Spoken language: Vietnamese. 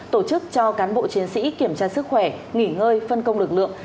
tổ chức cho cán bộ chiến sĩ kiểm tra sức khỏe nghỉ ngơi phân công lực lượng